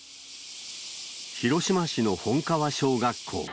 広島市の本川小学校。